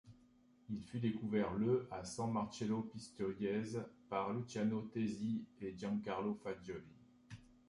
Il fut découvert le à San Marcello Pistoiese par Luciano Tesi et Giancarlo Fagioli.